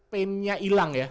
pen pennya ilang ya